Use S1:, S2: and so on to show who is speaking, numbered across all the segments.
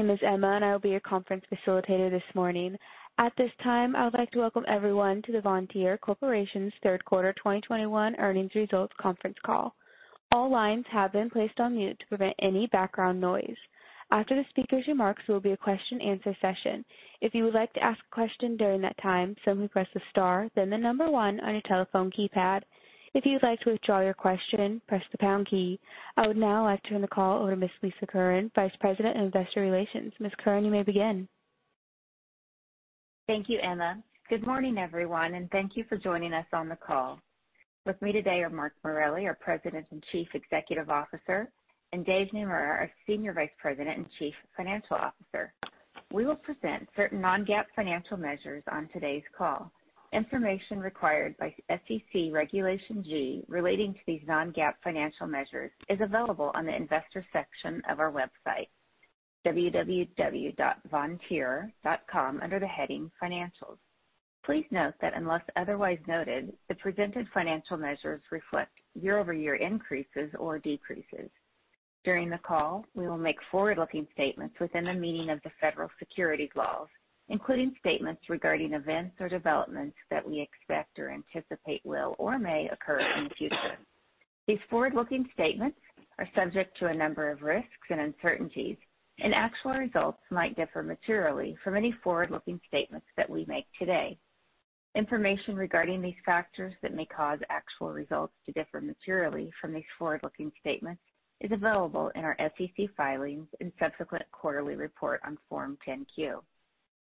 S1: My name is Emma, and I will be your conference facilitator this morning. At this time, I would like to welcome everyone to the Vontier Corporation's third quarter 2021 earnings results conference call. All lines have been placed on mute to prevent any background noise. After the speaker's remarks, there will be a question-answer session. If you would like to ask a question during that time, simply press the star then the number one on your telephone keypad. If you'd like to withdraw your question, press the pound key. I would now like to turn the call over to Ms. Lisa Curran, Vice President of Investor Relations. Ms. Curran, you may begin.
S2: Thank you, Emma. Good morning, everyone, and thank you for joining us on the call. With me today are Mark Morelli, our President and Chief Executive Officer, and David Naemura, our Senior Vice President and Chief Financial Officer. We will present certain non-GAAP financial measures on today's call. Information required by SEC Regulation G relating to these non-GAAP financial measures is available on the investor section of our website, www.vontier.com, under the heading Financials. Please note that unless otherwise noted, the presented financial measures reflect year-over-year increases or decreases. During the call, we will make forward-looking statements within the meaning of the Federal securities laws, including statements regarding events or developments that we expect or anticipate will or may occur in the future. These forward-looking statements are subject to a number of risks and uncertainties, and actual results might differ materially from any forward-looking statements that we make today. Information regarding these factors that may cause actual results to differ materially from these forward-looking statements is available in our SEC filings and subsequent quarterly report on Form 10-Q.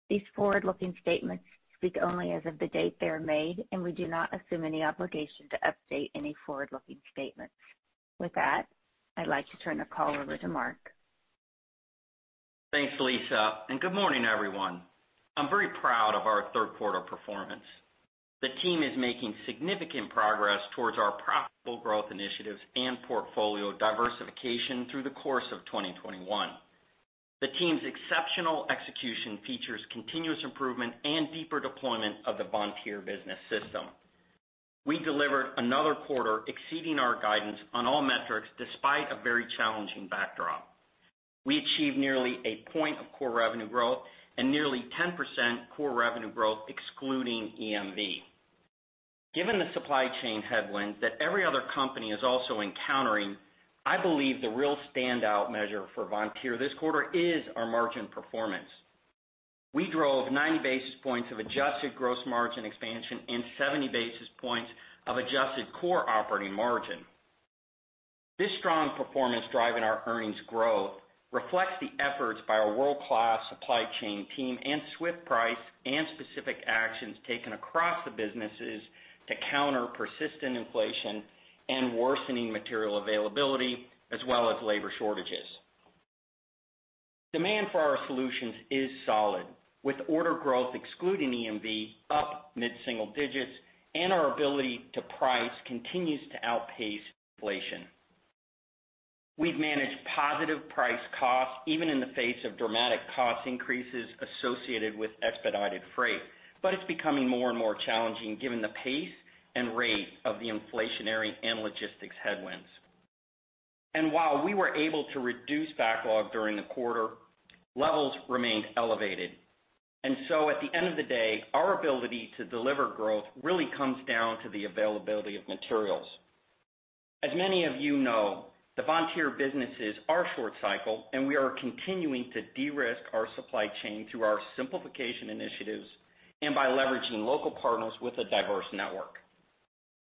S2: These forward-looking statements speak only as of the date they are made, and we do not assume any obligation to update any forward-looking statements. With that, I'd like to turn the call over to Mark.
S3: Thanks, Lisa, and good morning, everyone. I'm very proud of our third quarter performance. The team is making significant progress towards our profitable growth initiatives and portfolio diversification through the course of 2021. The team's exceptional execution features continuous improvement and deeper deployment of the Vontier Business System. We delivered another quarter exceeding our guidance on all metrics despite a very challenging backdrop. We achieved nearly a point of core revenue growth and nearly 10% core revenue growth excluding EMV. Given the supply chain headwinds that every other company is also encountering, I believe the real standout measure for Vontier this quarter is our margin performance. We drove 90 basis points of adjusted gross margin expansion and 70 basis points of adjusted core operating margin. This strong performance driving our earnings growth reflects the efforts by our world-class supply chain team and swift price and specific actions taken across the businesses to counter persistent inflation and worsening material availability as well as labor shortages. Demand for our solutions is solid, with order growth excluding EMV up mid-single digits, and our ability to price continues to outpace inflation. We've managed positive price costs even in the face of dramatic cost increases associated with expedited freight, but it's becoming more and more challenging given the pace and rate of the inflationary and logistics headwinds. While we were able to reduce backlog during the quarter, levels remained elevated. At the end of the day, our ability to deliver growth really comes down to the availability of materials. As many of you know, the Vontier businesses are short cycle, and we are continuing to de-risk our supply chain through our simplification initiatives and by leveraging local partners with a diverse network.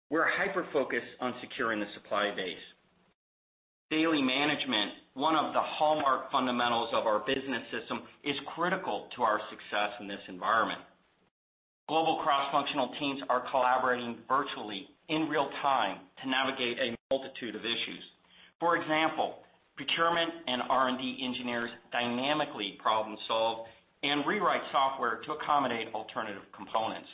S3: We're hyper-focused on securing the supply base. Daily management, one of the hallmark fundamentals of our business system, is critical to our success in this environment. Global cross-functional teams are collaborating virtually in real time to navigate a multitude of issues. For example, procurement and R&D engineers dynamically problem solve and rewrite software to accommodate alternative components.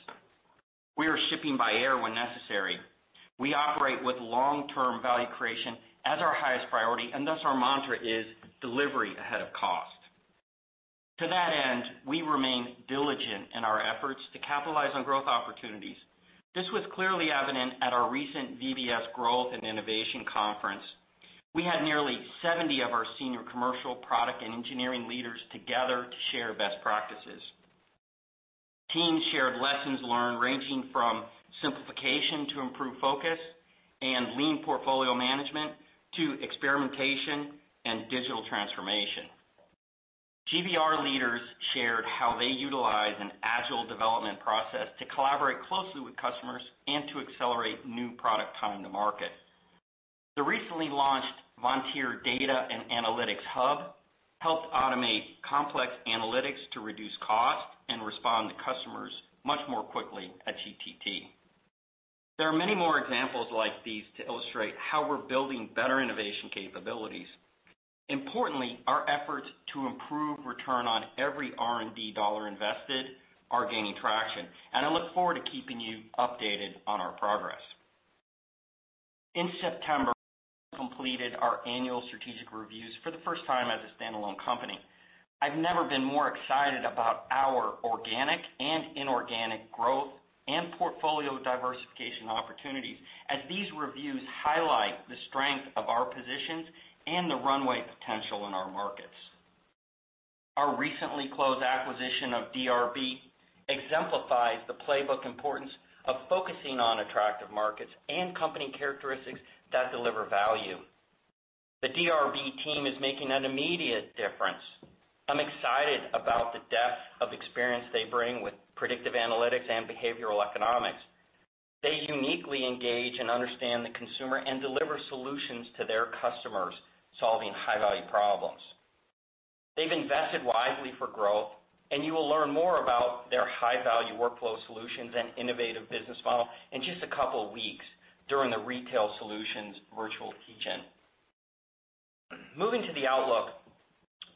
S3: We are shipping by air when necessary. We operate with long-term value creation as our highest priority, and thus our mantra is delivery ahead of cost. To that end, we remain diligent in our efforts to capitalize on growth opportunities. This was clearly evident at our recent VBS Growth and Innovation Conference. We had nearly 70 of our senior commercial product and engineering leaders together to share best practices. Teams shared lessons learned ranging from simplification to improved focus and lean portfolio management to experimentation and digital transformation. GVR leaders shared how they utilize an agile development process to collaborate closely with customers and to accelerate new product time to market. The recently launched Vontier Data & Analytics Hub helped automate complex analytics to reduce cost and respond to customers much more quickly at GTT. There are many more examples like these to illustrate how we're building better innovation capabilities. Importantly, our efforts to improve return on every R&D dollar invested are gaining traction, and I look forward to keeping you updated on our progress. In September, we completed our annual strategic reviews for the first time as a standalone company. I've never been more excited about our organic and inorganic growth and portfolio diversification opportunities as these reviews highlight the strength of our positions and the runway potential in our markets. Our recently closed acquisition of DRB exemplifies the playbook importance of focusing on attractive markets and company characteristics that deliver value. The DRB team is making an immediate difference. I'm excited about the depth of experience they bring with predictive analytics and behavioral economics. They uniquely engage and understand the consumer and deliver solutions to their customers, solving high-value problems. They've invested wisely for growth, and you will learn more about their high-value workflow solutions and innovative business model in just a couple of weeks during the Retail Solutions Virtual Teach-In. Moving to the outlook,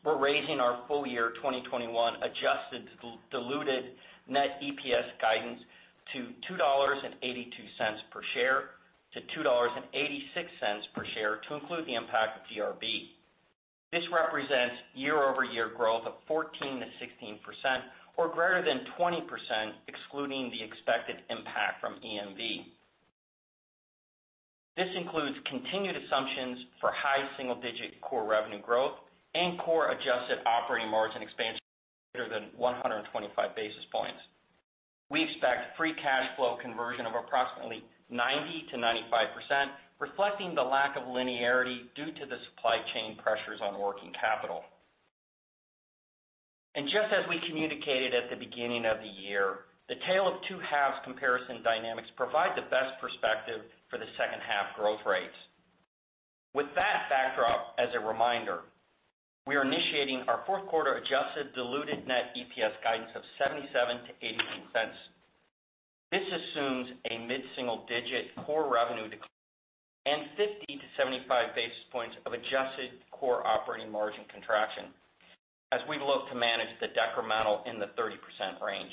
S3: we're raising our full-year 2021 adjusted diluted net EPS guidance to $2.82 per share-$2.86 per share to include the impact of DRB. This represents year-over-year growth of 14%-16% or >20%, excluding the expected impact from EMV. This includes continued assumptions for high single-digit core revenue growth and core adjusted operating margin expansion greater than 125 basis points. We expect free cash flow conversion of approximately 90%-95%, reflecting the lack of linearity due to the supply chain pressures on working capital. Just as we communicated at the beginning of the year, the tale of two halves comparison dynamics provide the best perspective for the second half growth rates. With that backdrop as a reminder, we are initiating our fourth quarter adjusted diluted net EPS guidance of $0.77-$0.88. This assumes a mid-single digit core revenue decline and 50-75 basis points of adjusted core operating margin contraction as we look to manage the decremental in the 30% range.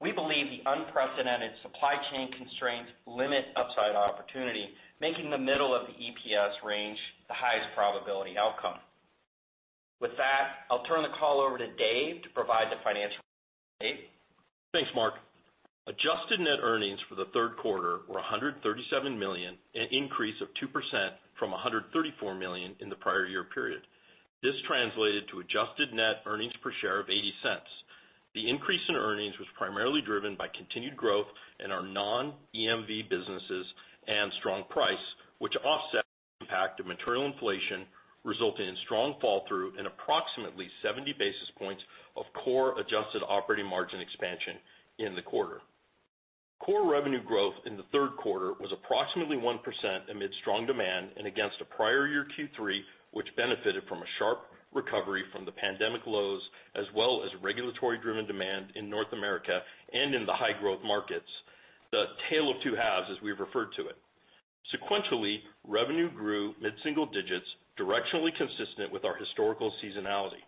S3: We believe the unprecedented supply chain constraints limit upside opportunity, making the middle of the EPS range the highest probability outcome. With that, I'll turn the call over to Dave to provide the financial update. Dave?
S4: Thanks, Mark. Adjusted net earnings for the third quarter were $137 million, an increase of 2% from $134 million in the prior year period. This translated to adjusted net earnings per share of $0.80. The increase in earnings was primarily driven by continued growth in our non-EMV businesses and strong pricing, which offset the impact of material inflation, resulting in strong flow-through and approximately 70 basis points of core adjusted operating margin expansion in the quarter. Core revenue growth in the third quarter was approximately 1% amid strong demand and against a prior year Q3, which benefited from a sharp recovery from the pandemic lows, as well as regulatory-driven demand in North America and in the high-growth markets. The tale of two halves, as we've referred to it. Sequentially, revenue grew mid-single digits, directionally consistent with our historical seasonality.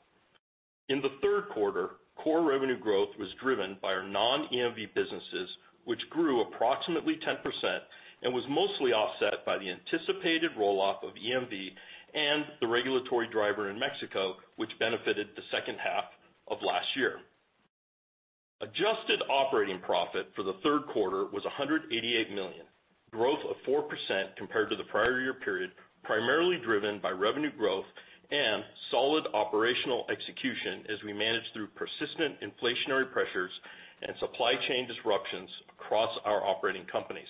S4: In the third quarter, core revenue growth was driven by our non-EMV businesses, which grew approximately 10% and was mostly offset by the anticipated roll-off of EMV and the regulatory driver in Mexico, which benefited the second half of last year. Adjusted operating profit for the third quarter was $188 million, growth of 4% compared to the prior year period, primarily driven by revenue growth and solid operational execution as we managed through persistent inflationary pressures and supply chain disruptions across our operating companies.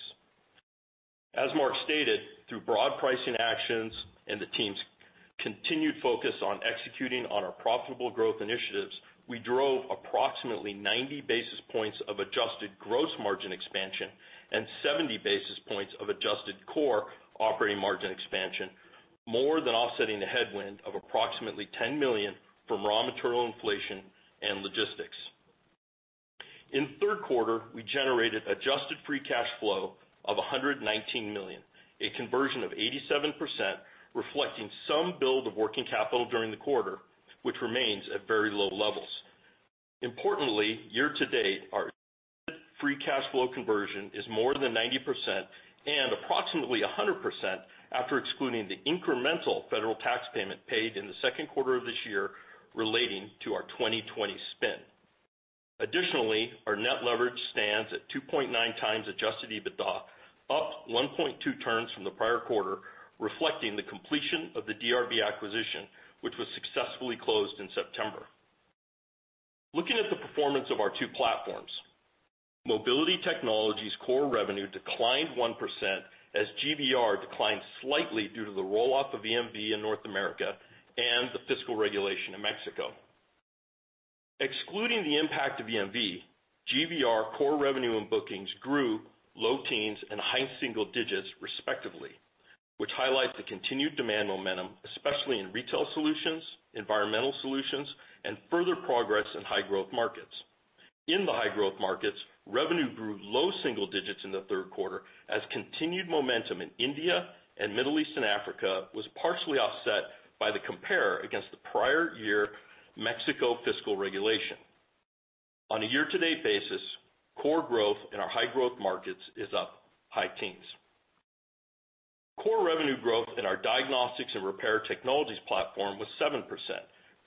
S4: As Mark stated, through broad pricing actions and the team's continued focus on executing on our profitable growth initiatives, we drove approximately 90 basis points of adjusted gross margin expansion and 70 basis points of adjusted core operating margin expansion, more than offsetting the headwind of approximately $10 million from raw material inflation and logistics. In the third quarter, we generated adjusted free cash flow of $119 million, a conversion of 87%, reflecting some build of working capital during the quarter, which remains at very low levels. Importantly, year-to-date, our free cash flow conversion is more than 90% and approximately 100% after excluding the incremental federal tax payment paid in the second quarter of this year relating to our 2020 spin. Additionally, our net leverage stands at 2.9x adjusted EBITDA, up 1.2 turns from the prior quarter, reflecting the completion of the DRB acquisition, which was successfully closed in September. Looking at the performance of our two platforms, Mobility Technologies core revenue declined 1% as GVR declined slightly due to the roll-off of EMV in North America and the fuel regulation in Mexico. Excluding the impact of EMV, GVR core revenue and bookings grew low teens% and high single digits%, respectively, which highlights the continued demand momentum, especially in retail solutions, environmental solutions, and further progress in high growth markets. In the high growth markets, revenue grew low single digits% in the third quarter as continued momentum in India and Middle East and Africa was partially offset by the compare against the prior year Mexico fiscal regulation. On a year-to-date basis, core growth in our high growth markets is up high teens%. Core revenue growth in our Diagnostics and Repair Technologies platform was 7%,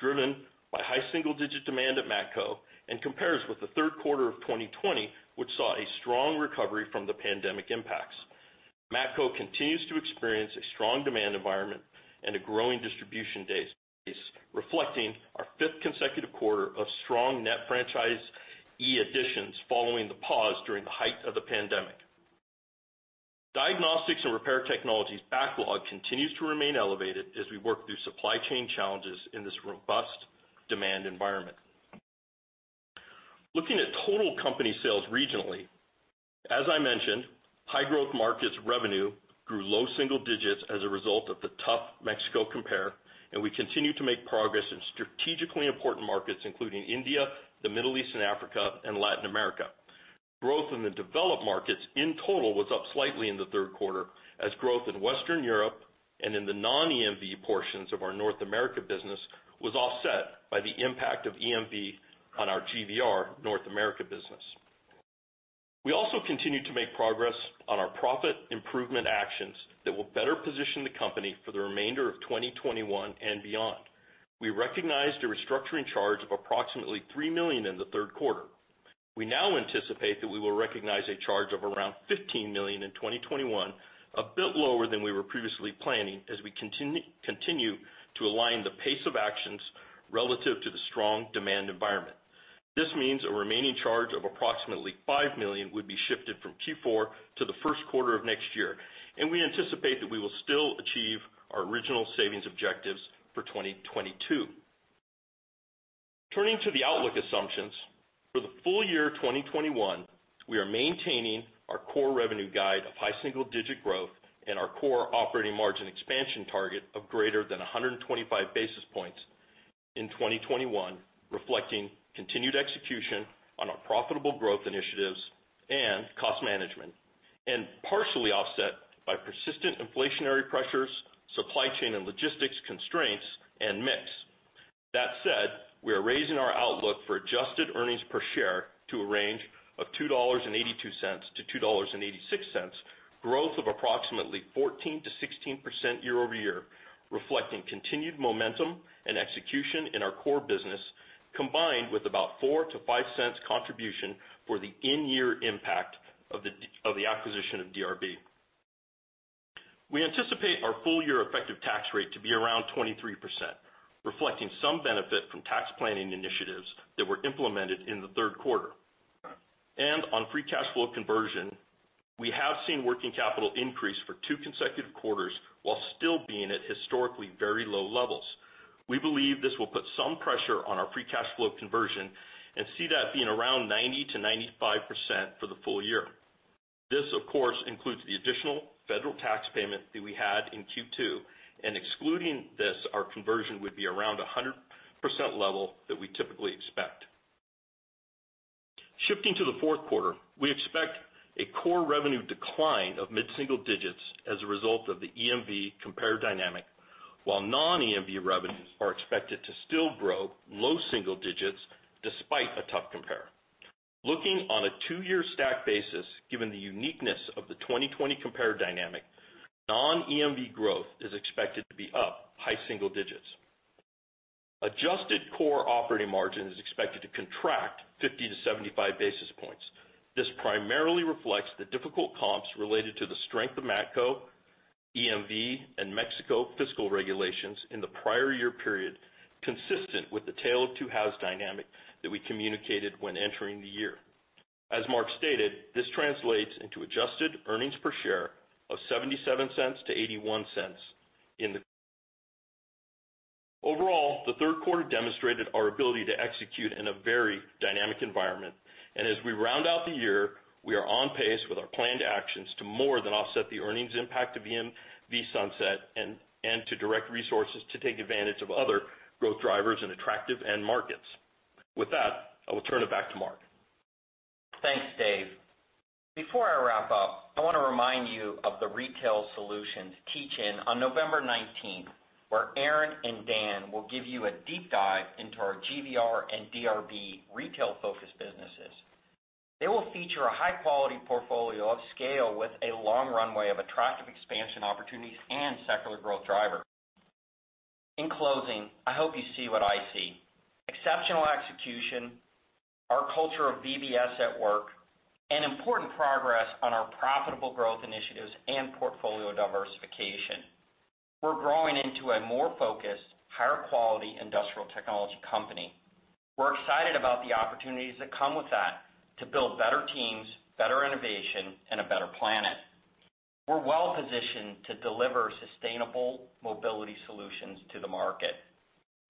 S4: driven by high single-digit demand at Matco and compares with the third quarter of 2020, which saw a strong recovery from the pandemic impacts. Matco continues to experience a strong demand environment and a growing distribution days, reflecting our fifth consecutive quarter of strong net franchisee additions following the pause during the height of the pandemic. Diagnostics and repair technologies backlog continues to remain elevated as we work through supply chain challenges in this robust demand environment. Looking at total company sales regionally, as I mentioned, high growth markets revenue grew low single digits as a result of the tough Mexico compare, and we continue to make progress in strategically important markets, including India, the Middle East and Africa, and Latin America. Growth in the developed markets in total was up slightly in the third quarter as growth in Western Europe and in the non-EMV portions of our North America business was offset by the impact of EMV on our GVR North America business. We also continue to make progress on our profit improvement actions that will better position the company for the remainder of 2021 and beyond. We recognized a restructuring charge of approximately $3 million in the third quarter. We now anticipate that we will recognize a charge of around $15 million in 2021, a bit lower than we were previously planning as we continue to align the pace of actions relative to the strong demand environment. This means a remaining charge of approximately $5 million would be shifted from Q4 to the first quarter of next year, and we anticipate that we will still achieve our original savings objectives for 2022. Turning to the outlook assumptions. For the full year 2021, we are maintaining our core revenue guide of high single-digit growth and our core operating margin expansion target of greater than 125 basis points in 2021, reflecting continued execution on our profitable growth initiatives and cost management, and partially offset by persistent inflationary pressures, supply chain and logistics constraints, and mix. That said, we are raising our outlook for adjusted earnings per share to a range of $2.82-$2.86, growth of approximately 14%-16% year-over-year, reflecting continued momentum and execution in our core business, combined with about $0.04-$0.05 contribution for the in-year impact of the acquisition of DRB. We anticipate our full year effective tax rate to be around 23%, reflecting some benefit from tax planning initiatives that were implemented in the third quarter. On free cash flow conversion, we have seen working capital increase for two consecutive quarters while still being at historically very low levels. We believe this will put some pressure on our free cash flow conversion and see that being around 90%-95% for the full year. This, of course, includes the additional federal tax payment that we had in Q2, and excluding this, our conversion would be around 100% level that we typically expect. Shifting to the fourth quarter, we expect a core revenue decline of mid-single digits as a result of the EMV compare dynamic, while non-EMV revenues are expected to still grow low single digits despite a tough compare. Looking on a two-year stack basis, given the uniqueness of the 2020 compare dynamic, non-EMV growth is expected to be up high single digits. Adjusted core operating margin is expected to contract 50-75 basis points. This primarily reflects the difficult comps related to the strength of Matco, EMV, and Mexico fiscal regulations in the prior year period, consistent with the tail of two halves dynamic that we communicated when entering the year. As Mark stated, this translates into adjusted earnings per share of $0.77-$0.81. Overall, the third quarter demonstrated our ability to execute in a very dynamic environment. As we round out the year, we are on pace with our planned actions to more than offset the earnings impact of EMV sunset and to direct resources to take advantage of other growth drivers in attractive end markets. With that, I will turn it back to Mark.
S3: Thanks, Dave. Before I wrap up, I want to remind you of the Retail Solutions Teach-In on November nineteenth, where Aaron and Dan will give you a deep dive into our GVR and DRB retail-focused businesses. They will feature a high-quality portfolio of scale with a long runway of attractive expansion opportunities and secular growth driver. In closing, I hope you see what I see. Exceptional execution, our culture of VBS at work, and important progress on our profitable growth initiatives and portfolio diversification. We're growing into a more focused, higher quality industrial technology company. We're excited about the opportunities that come with that to build better teams, better innovation, and a better planet. We're well-positioned to deliver sustainable mobility solutions to the market.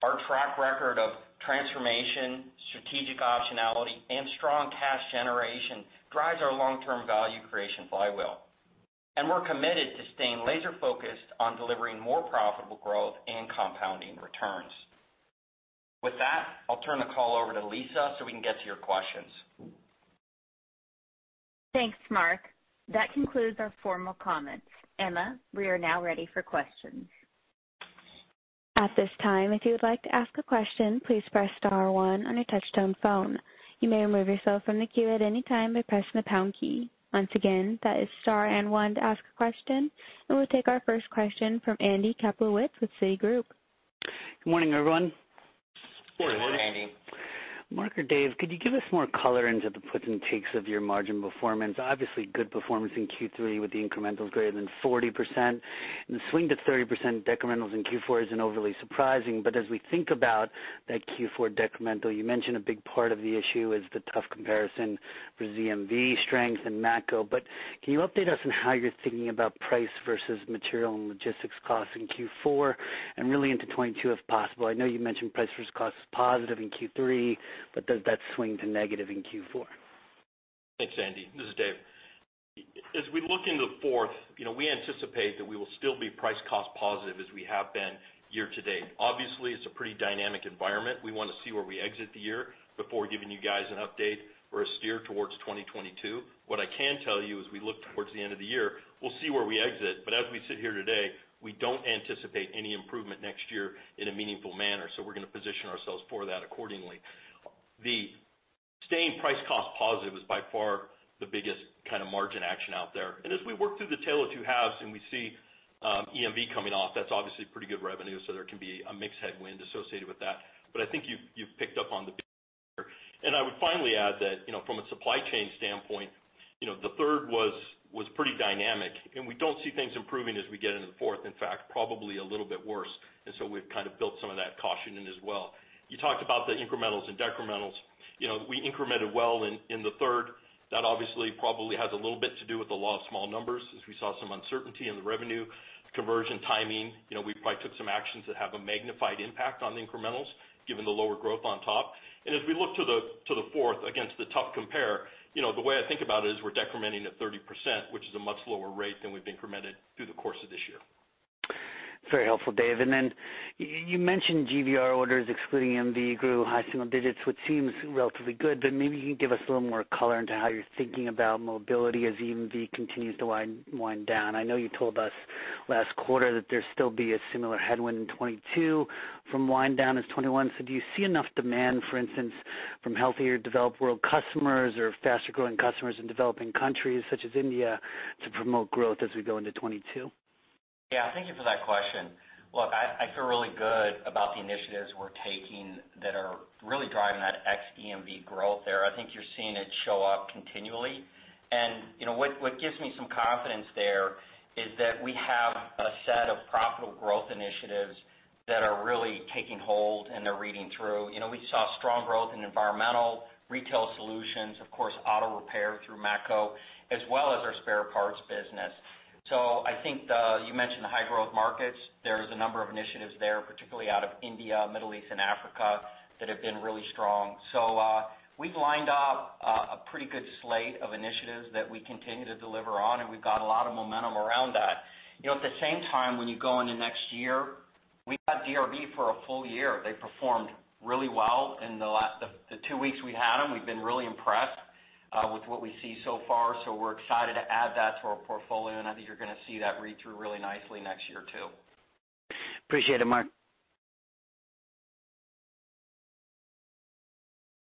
S3: Our track record of transformation, strategic optionality, and strong cash generation drives our long-term value creation flywheel. We're committed to staying laser-focused on delivering more profitable growth and compounding returns. With that, I'll turn the call over to Lisa, so we can get to your questions.
S2: Thanks, Mark. That concludes our formal comments. Emma, we are now ready for questions.
S1: At this time, if you would like to ask a question, please press star one on your touch-tone phone. You may remove yourself from the queue at any time by pressing the pound key. Once again, that is star and one to ask a question, and we'll take our first question from Andy Kaplowitz with Citigroup.
S5: Good morning, everyone.
S4: Morning, Andy.
S5: Mark or Dave, could you give us more color into the puts and takes of your margin performance? Obviously, good performance in Q3 with the incrementals greater than 40%. The swing to 30% decrementals in Q4 isn't overly surprising, but as we think about that Q4 decremental, you mentioned a big part of the issue is the tough comparison for EMV strength and Matco. Can you update us on how you're thinking about price versus material and logistics costs in Q4 and really into 2022, if possible? I know you mentioned price versus cost is positive in Q3, but does that swing to negative in Q4?
S4: Thanks, Andy. This is Dave. As we look into the fourth, you know, we anticipate that we will still be price cost positive as we have been year to date. Obviously, it's a pretty dynamic environment. We wanna see where we exit the year before giving you guys an update or a steer towards 2022. What I can tell you as we look towards the end of the year, we'll see where we exit, but as we sit here today, we don't anticipate any improvement next year in a meaningful manner, so we're gonna position ourselves for that accordingly. The staying price cost positive is by far the biggest kind of margin action out there. As we work through the tale of two halves and we see, EMV coming off, that's obviously pretty good revenue, so there can be a mix headwind associated with that. I think you've picked up on the bigger. I would finally add that, you know, from a supply chain standpoint, you know, the third was pretty dynamic, and we don't see things improving as we get into the fourth, in fact, probably a little bit worse. We've kind of built some of that caution in as well. You talked about the incrementals and decrementals. You know, we incremented well in the third. That obviously probably has a little bit to do with the law of small numbers, as we saw some uncertainty in the revenue conversion timing. You know, we probably took some actions that have a magnified impact on the incrementals given the lower growth on top. As we look to the fourth against the tough compare, you know, the way I think about it is we're decrementing at 30%, which is a much lower rate than we've incremented through the course of this year.
S5: Very helpful, Dave. Then you mentioned GVR orders excluding EMV grew high single digits, which seems relatively good, but maybe you can give us a little more color into how you're thinking about mobility as EMV continues to wind down. I know you told us last quarter that there'd still be a similar headwind in 2022 from wind down as 2021. Do you see enough demand, for instance, from healthier developed world customers or faster growing customers in developing countries such as India to promote growth as we go into 2022?
S3: Yeah. Thank you for that question. Look, I feel really good about the initiatives we're taking that are really driving that ex EMV growth there. I think you're seeing it show up continually. You know, what gives me some confidence there is that we have a set of profitable growth initiatives that are really taking hold, and they're reading through. You know, we saw strong growth in environmental retail solutions, of course auto repair through Matco, as well as our spare parts business. I think you mentioned the high growth markets. There's a number of initiatives there, particularly out of India, Middle East, and Africa, that have been really strong. We've lined up a pretty good slate of initiatives that we continue to deliver on, and we've got a lot of momentum around that. You know, at the same time, when you go into next year, we've got DRB for a full year. They performed really well in the last two weeks we had them. We've been really impressed with what we see so far. We're excited to add that to our portfolio, and I think you're gonna see that read through really nicely next year too.
S5: Appreciate it, Mark.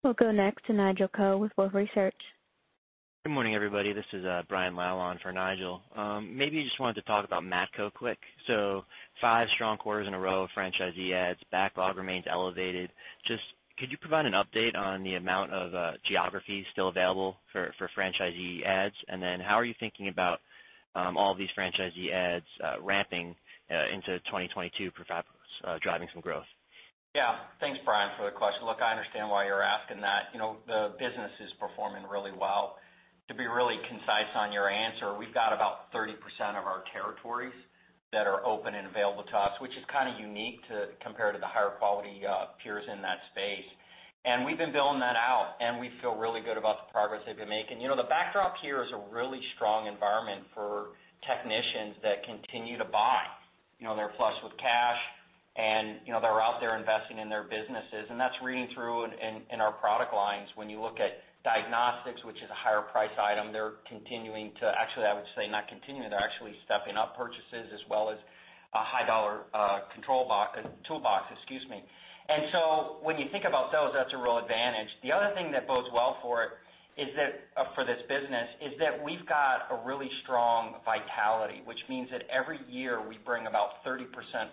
S1: We'll go next to Nigel Coe with Wolfe Research.
S6: Good morning, everybody. This is Brian Lau on for Nigel. Maybe you just wanted to talk about Matco quick. Five strong quarters in a row of franchisee adds. Backlog remains elevated. Just could you provide an update on the amount of geography still available for franchisee adds? How are you thinking about all these franchisee adds ramping into 2022 driving some growth?
S3: Yeah. Thanks, Brian, for the question. Look, I understand why you're asking that. You know, the business is performing really well. To be really concise on your answer, we've got about 30% of our territories that are open and available to us, which is kind of unique to compare to the higher quality peers in that space. We've been building that out, and we feel really good about the progress they've been making. You know, the backdrop here is a really strong environment for technicians that continue to buy. You know, they're flush with cash, and, you know, they're out there investing in their businesses, and that's reading through in our product lines. When you look at diagnostics, which is a higher price item, actually, I would say not continuing, they're actually stepping up purchases as well as a high dollar, control box, toolbox, excuse me. When you think about those, that's a real advantage. The other thing that bodes well for it is that for this business, we've got a really strong vitality, which means that every year we bring about 30%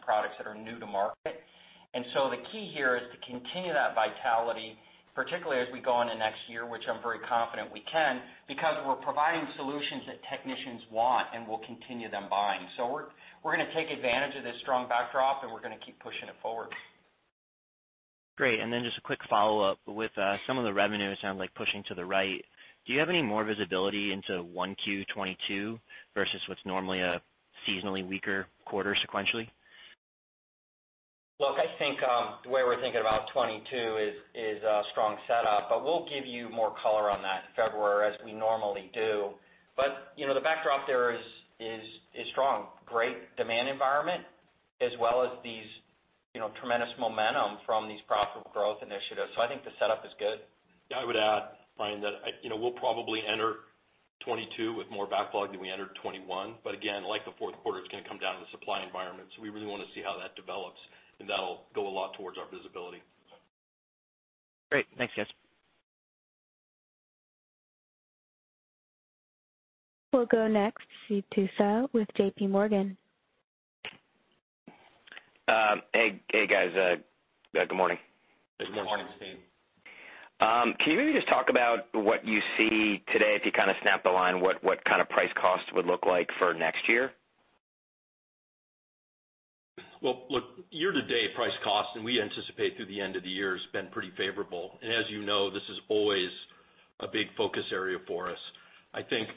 S3: products that are new to market. The key here is to continue that vitality, particularly as we go on to next year, which I'm very confident we can, because we're providing solutions that technicians want and will continue them buying. We're gonna take advantage of this strong backdrop, and we're gonna keep pushing it forward.
S6: Great. Just a quick follow-up. With some of the revenue, it sounds like pushing to the right, do you have any more visibility into 1Q 2022 versus what's normally a seasonally weaker quarter sequentially?
S3: Look, I think the way we're thinking about 2022 is a strong setup, but we'll give you more color on that in February as we normally do. You know, the backdrop there is strong. Great demand environment, as well as these, you know, tremendous momentum from these profitable growth initiatives. I think the setup is good.
S4: Yeah, I would add, Brian, that, you know, we'll probably enter 2022 with more backlog than we entered 2021. Again, like the fourth quarter, it's gonna come down to the supply environment. We really wanna see how that develops, and that'll go a lot towards our visibility.
S6: Great. Thanks, guys.
S1: We'll go next to Steve Tusa with JPMorgan.
S7: Hey, guys. Good morning.
S4: Good morning, Steve.
S7: Can you maybe just talk about what you see today, if you kind of snap the line, what kind of price cost would look like for next year?
S4: Well, look, year-to-date price cost, and we anticipate through the end of the year has been pretty favorable. As you know, this is always a big focus area for us. I think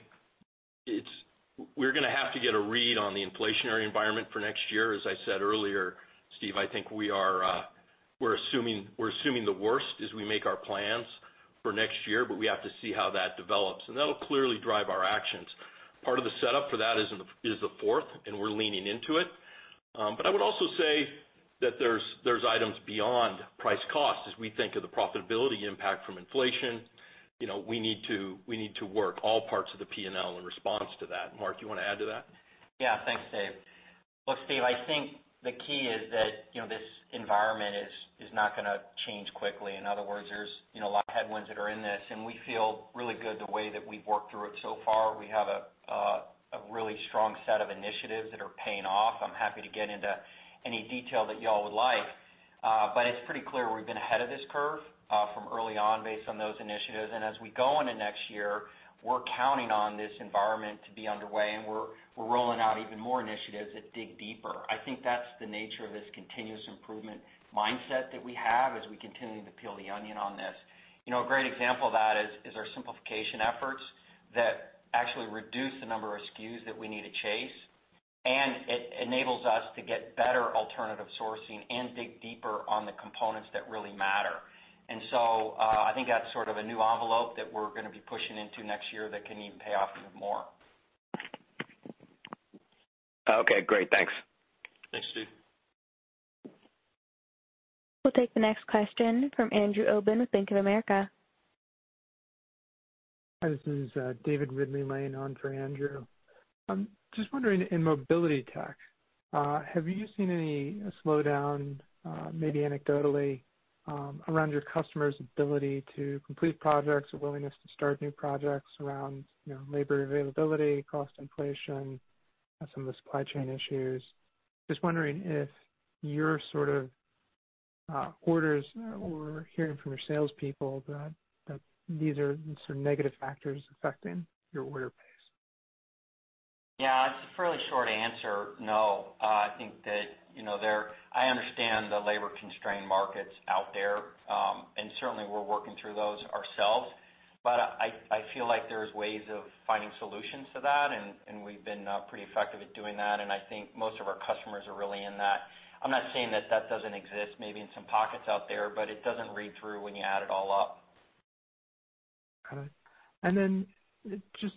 S4: we're gonna have to get a read on the inflationary environment for next year. As I said earlier, Steve, I think we are, we're assuming the worst as we make our plans for next year, but we have to see how that develops, and that'll clearly drive our actions. Part of the setup for that is the fourth, and we're leaning into it. But I would also say that there's items beyond price cost as we think of the profitability impact from inflation. You know, we need to work all parts of the P&L in response to that. Mark, you wanna add to that?
S3: Yeah. Thanks, Dave. Look, Steve, I think the key is that this environment is not gonna change quickly. In other words, there's a lot of headwinds that are in this, and we feel really good the way that we've worked through it so far. We have a really strong set of initiatives that are paying off. I'm happy to get into any detail that y'all would like. But it's pretty clear we've been ahead of this curve from early on based on those initiatives. As we go into next year, we're counting on this environment to be underway, and we're rolling out even more initiatives that dig deeper. I think that's the nature of this continuous improvement mindset that we have as we continue to peel the onion on this. You know, a great example of that is our simplification efforts that actually reduce the number of SKUs that we need to chase, and it enables us to get better alternative sourcing and dig deeper on the components that really matter. I think that's sort of a new envelope that we're gonna be pushing into next year that can even pay off even more.
S7: Okay, great. Thanks.
S4: Thanks, Steve.
S1: We'll take the next question from Andrew Obin with Bank of America.
S8: This is David Ridley-Lane calling in for Andrew. Just wondering, in mobility tech, have you seen any slowdown, maybe anecdotally, around your customers' ability to complete projects or willingness to start new projects around, you know, labor availability, cost inflation, some of the supply chain issues? Just wondering if your sort of orders or hearing from your salespeople that these are some negative factors affecting your order pace.
S3: Yeah. It's a fairly short answer, no. I think that, you know, I understand the labor-constrained markets out there, and certainly we're working through those ourselves. But I feel like there's ways of finding solutions to that, and we've been pretty effective at doing that, and I think most of our customers are really in that. I'm not saying that that doesn't exist maybe in some pockets out there, but it doesn't read through when you add it all up.
S8: Got it. Just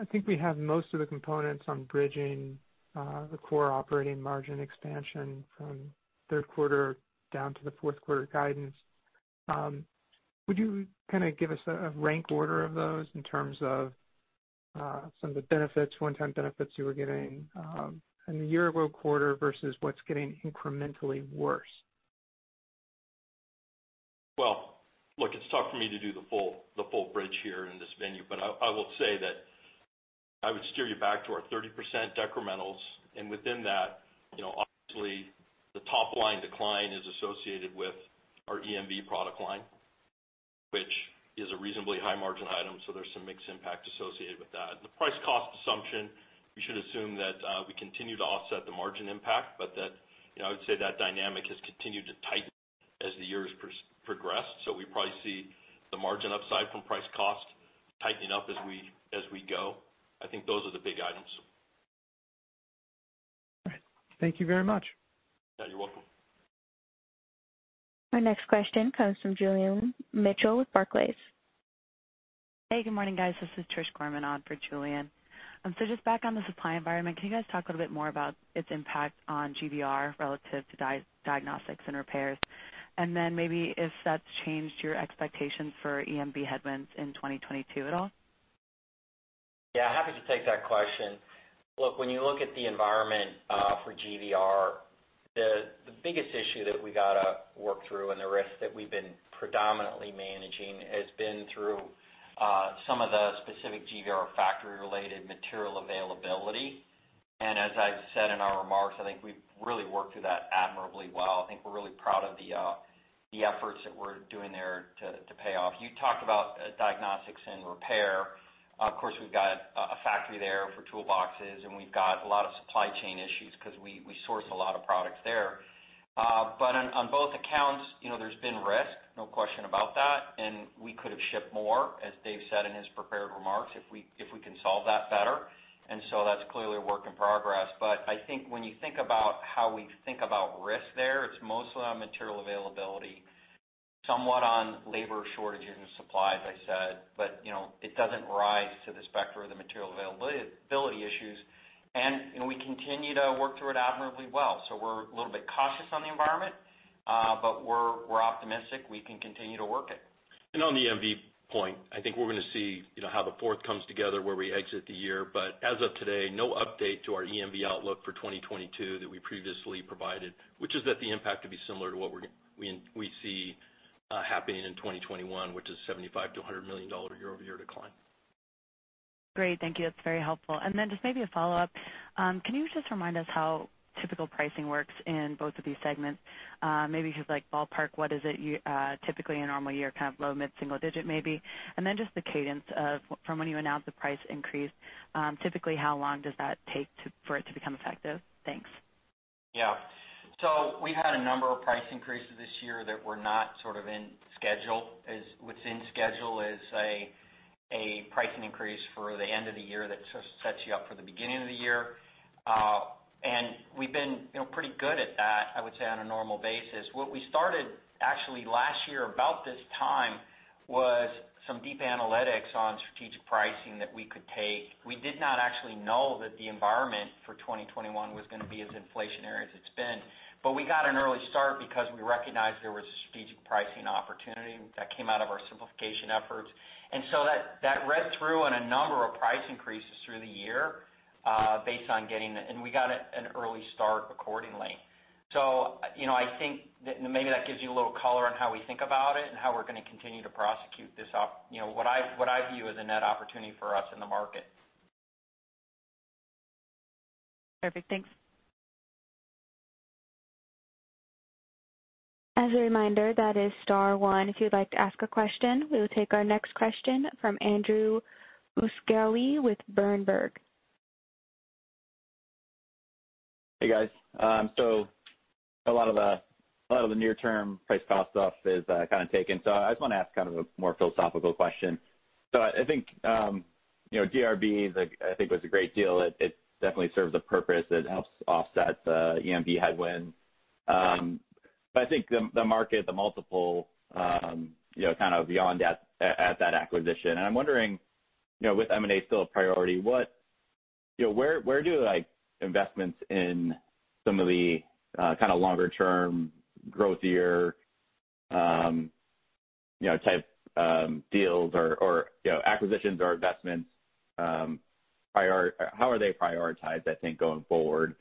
S8: I think we have most of the components on bridging the core operating margin expansion from third quarter down to the fourth quarter guidance. Would you kind of give us a rank order of those in terms of some of the benefits, one-time benefits you were getting in the year-ago quarter versus what's getting incrementally worse?
S4: Well, look, it's tough for me to do the full bridge here in this venue. I will say that I would steer you back to our 30% decrementals, and within that, you know, obviously the top line decline is associated with our EMV product line, which is a reasonably high margin item, so there's some mixed impact associated with that. The price cost assumption, we should assume that we continue to offset the margin impact. You know, I would say that dynamic has continued to tighten as the years progressed. We probably see the margin upside from price cost tightening up as we go. I think those are the big items.
S8: All right. Thank you very much.
S4: Yeah, you're welcome.
S1: Our next question comes from Julian Mitchell with Barclays.
S9: Hey, good morning, guys. This is Trish Gorman on for Julian. Just back on the supply environment, can you guys talk a little bit more about its impact on GVR relative to diagnostics and repairs? And then maybe if that's changed your expectations for EMV headwinds in 2022 at all.
S3: Yeah, happy to take that question. Look, when you look at the environment for GVR, the biggest issue that we gotta work through and the risk that we've been predominantly managing has been through some of the specific GVR factory-related material availability. As I've said in our remarks, I think we've really worked through that admirably well. I think we're really proud of the efforts that we're doing there to pay off. You talked about diagnostics and repair. Of course, we've got a factory there for toolboxes, and we've got a lot of supply chain issues 'cause we source a lot of products there. But on both accounts, you know, there's been risk, no question about that, and we could have shipped more, as Dave said in his prepared remarks, if we can solve that better. That's clearly a work in progress. I think when you think about how we think about risk there, it's mostly on material availability, somewhat on labor shortages and supply, as I said, but, you know, it doesn't rise to the specter of the material availability issues. You know, we continue to work through it admirably well. We're a little bit cautious on the environment, but we're optimistic we can continue to work it.
S4: On the EMV point, I think we're gonna see, you know, how the fourth comes together, where we exit the year. As of today, no update to our EMV outlook for 2022 that we previously provided, which is that the impact would be similar to what we see happening in 2021, which is $75 million-$100 million year-over-year decline.
S9: Great. Thank you. That's very helpful. Just maybe a follow-up. Can you just remind us how typical pricing works in both of these segments? Maybe just like ballpark, what is it typically a normal year, kind of low- to mid-single-digit, maybe. Just the cadence from when you announce the price increase, typically, how long does that take for it to become effective? Thanks.
S3: Yeah. We had a number of price increases this year that were not sort of in schedule. What's in schedule is a pricing increase for the end of the year that sort of sets you up for the beginning of the year. We've been, you know, pretty good at that, I would say, on a normal basis. What we started actually last year about this time was some deep analytics on strategic pricing that we could take. We did not actually know that the environment for 2021 was gonna be as inflationary as it's been. We got an early start because we recognized there was a strategic pricing opportunity that came out of our simplification efforts. That read through on a number of price increases through the year, based on getting the... We got an early start accordingly. You know, I think that maybe that gives you a little color on how we think about it and how we're gonna continue to prosecute this, you know, what I view as a net opportunity for us in the market.
S9: Perfect. Thanks.
S1: As a reminder, that is star one if you'd like to ask a question. We will take our next question from Andrew Buscaglia with Berenberg.
S10: Hey, guys. A lot of the near-term price cost stuff is kinda taken. I just wanna ask kind of a more philosophical question. I think you know DRB is a great deal. It definitely serves a purpose. It helps offset the EMV headwind. But I think the market, the multiple you know kind of beyond that acquisition. I'm wondering you know with M&A still a priority what you know where do like investments in some of the kinda longer term growthier you know type deals or you know acquisitions or investments how are they prioritized I think going forward?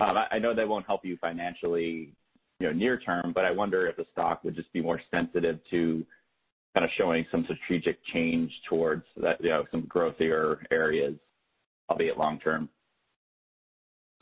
S10: I know they won't help you financially, you know, near-term, but I wonder if the stock would just be more sensitive to kinda showing some strategic change towards that, you know, some growthier areas, albeit long-term.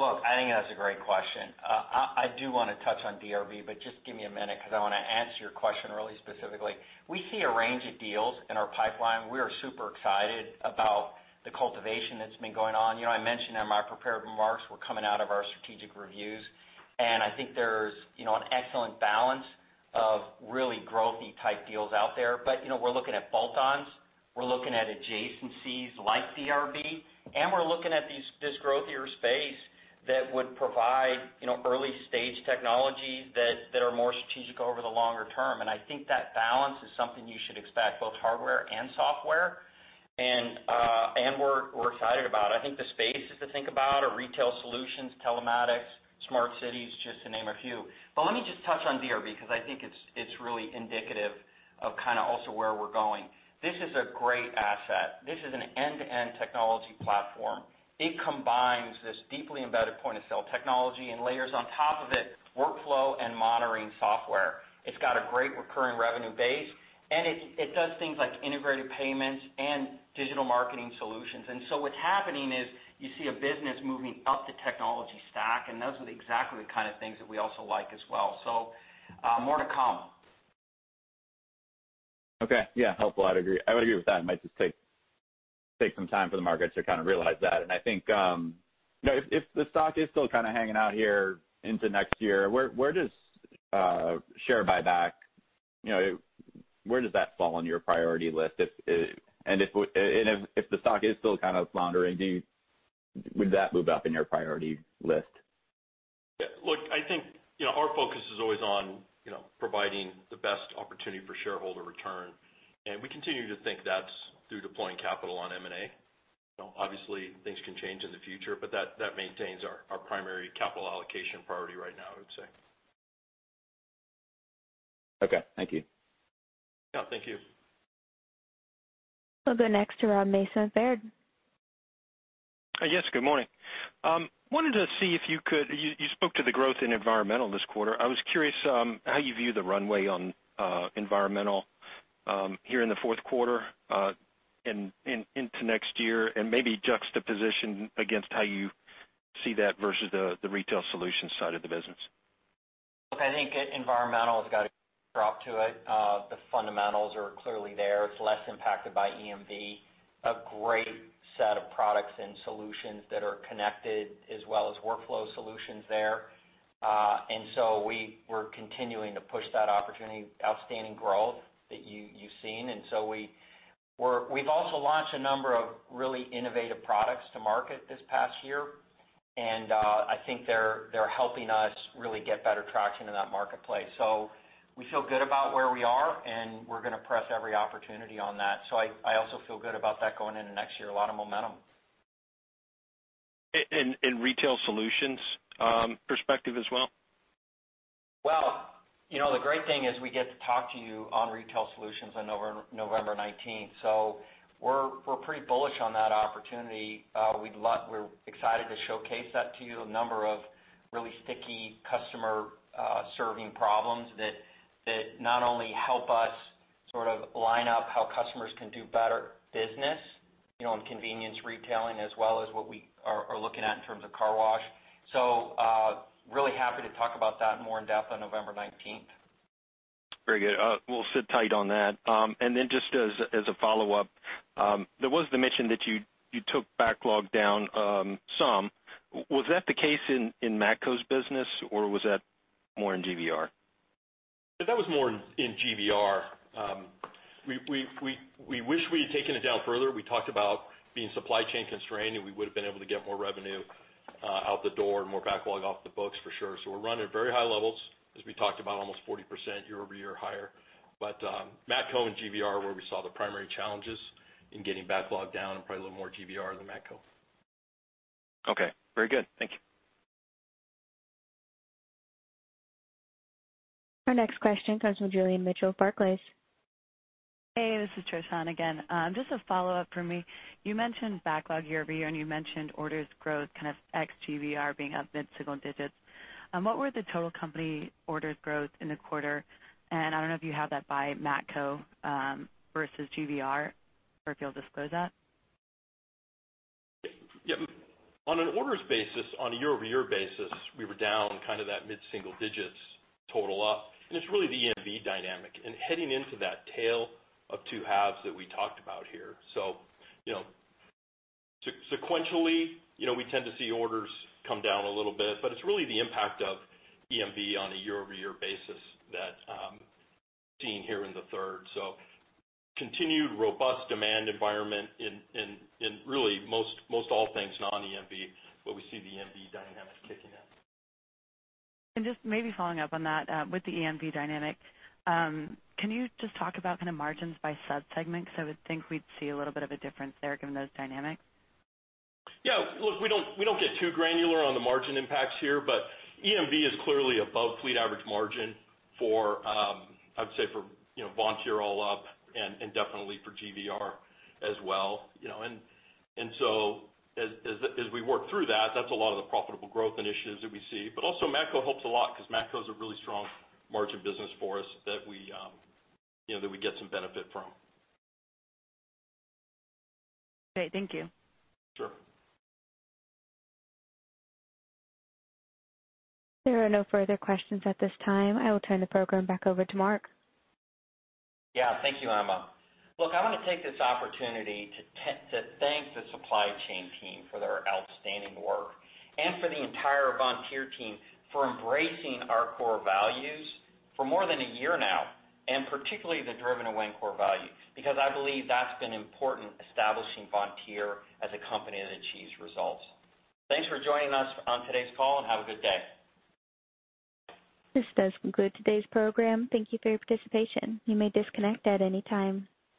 S3: Look, I think that's a great question. I do wanna touch on DRB, but just give me a minute 'cause I wanna answer your question really specifically. We see a range of deals in our pipeline. We are super excited about the cultivation that's been going on. You know, I mentioned in my prepared remarks, we're coming out of our strategic reviews, and I think there's, you know, an excellent balance of really growthy type deals out there. You know, we're looking at bolt-ons, we're looking at adjacencies like DRB, and we're looking at this growthier space that would provide, you know, early-stage technologies that are more strategic over the longer term. I think that balance is something you should expect, both hardware and software. We're excited about it. I think the spaces to think about are retail solutions, telematics, smart cities, just to name a few. Let me just touch on DRB because I think it's really indicative of kinda also where we're going. This is a great asset. This is an end-to-end technology platform. It combines this deeply embedded point of sale technology and layers on top of it workflow and monitoring software. It's got a great recurring revenue base, and it does things like integrated payments and digital marketing solutions. What's happening is you see a business moving up the technology stack, and those are exactly the kind of things that we also like as well. More to come.
S10: Okay. Yeah, helpful. I'd agree. I would agree with that. It might just take some time for the market to kinda realize that. I think, you know, if the stock is still kinda hanging out here into next year, where does share buyback, you know, where does that fall on your priority list if. If the stock is still kind of floundering, would that move up in your priority list?
S4: Look, I think, you know, our focus is always on, you know, providing the best opportunity for shareholder return, and we continue to think that's through deploying capital on M&A. You know, obviously, things can change in the future, but that maintains our primary capital allocation priority right now, I would say.
S10: Okay, thank you.
S4: Yeah, thank you.
S1: We'll go next to Rob Mason Baird.
S11: Yes, good morning. You spoke to the growth in Environmental this quarter. I was curious how you view the runway on Environmental here in the fourth quarter and into next year, and maybe juxtaposition against how you see that versus the Retail Solutions side of the business.
S3: Look, I think Environmental has got a drop to it. The fundamentals are clearly there. It's less impacted by EMV. A great set of products and solutions that are connected, as well as workflow solutions there. We're continuing to push that opportunity, outstanding growth that you've seen. We've also launched a number of really innovative products to market this past year, and I think they're helping us really get better traction in that marketplace. We feel good about where we are, and we're gonna press every opportunity on that. I also feel good about that going into next year. A lot of momentum.
S11: Retail Solutions perspective as well?
S3: Well, you know, the great thing is we get to talk to you on Retail Solutions on November nineteenth. We're pretty bullish on that opportunity. We're excited to showcase that to you, a number of really sticky customer serving problems that not only help us sort of line up how customers can do better business, you know, in convenience retailing as well as what we are looking at in terms of car wash. Really happy to talk about that in more depth on November nineteenth.
S11: Very good. We'll sit tight on that. Just as a follow-up, there was the mention that you took backlog down some. Was that the case in Matco's business, or was that more in GVR?
S4: That was more in GVR. We wish we had taken it down further. We talked about being supply chain constrained, and we would've been able to get more revenue out the door and more backlog off the books for sure. We're running at very high levels as we talked about almost 40% year-over-year higher. Matco and GVR were where we saw the primary challenges in getting backlog down and probably a little more GVR than Matco.
S11: Okay. Very good. Thank you.
S1: Our next question comes from Julian Mitchell, Barclays.
S9: Hey, this is Trish again. Just a follow-up for me. You mentioned backlog year-over-year, and you mentioned orders growth kind of ex GVR being up mid-single digits. What were the total company orders growth in the quarter? I don't know if you have that by Matco versus GVR, or if you'll disclose that.
S4: Yeah. On an orders basis, on a year-over-year basis, we were down kind of that mid-single digits total up. It's really the EMV dynamic and heading into that tale of two halves that we talked about here. You know, sequentially, you know, we tend to see orders come down a little bit, but it's really the impact of EMV on a year-over-year basis that's seen here in the third. Continued robust demand environment in really most all things non-EMV, but we see the EMV dynamic kicking in.
S9: Just maybe following up on that with the EMV dynamic, can you just talk about kind of margins by sub-segments? I would think we'd see a little bit of a difference there given those dynamics.
S4: Yeah. Look, we don't get too granular on the margin impacts here, but EMV is clearly above fleet average margin for, I would say for, you know, Vontier all up and definitely for GVR as well. You know, and so as we work through that's a lot of the profitable growth initiatives that we see. But also Matco helps a lot because Matco is a really strong margin business for us that we, you know, that we get some benefit from.
S9: Great. Thank you.
S4: Sure.
S1: There are no further questions at this time. I will turn the program back over to Mark.
S3: Yeah. Thank you, Emma. Look, I wanna take this opportunity to thank the supply chain team for their outstanding work and for the entire Vontier team for embracing our core values for more than a year now, and particularly the Driven to Win core value, because I believe that's been important in establishing Vontier as a company that achieves results. Thanks for joining us on today's call, and have a good day.
S1: This does conclude today's program. Thank you for your participation. You may disconnect at any time.